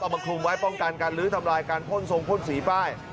มาคลุมไว้ป้องกันการลื้อทำลายการพ่นทรงพ่นสีป้าย